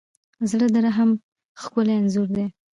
زړه د رحم ښکلی انځور دی.